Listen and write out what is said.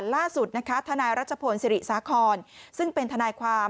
ล่าสุดนะคะทนายรัชพลศิริสาครซึ่งเป็นทนายความ